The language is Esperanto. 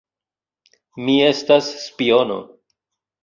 Mi estas spiono